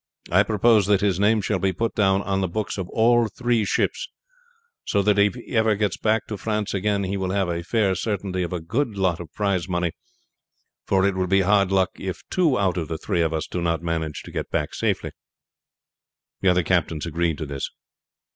I propose that his name shall be put down on the books of all three ships, so that if he ever gets back to France again he will have a fair certainty of a good lot of prize money, for it will be hard luck if two out of the three of us do not manage to get back safely." The other captains agreed to this.